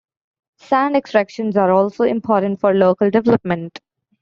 Sand extractions are also important for local development.